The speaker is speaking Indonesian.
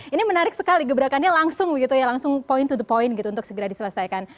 ini menarik sekali gebrakannya langsung begitu ya langsung point to the point gitu untuk segera diselesaikan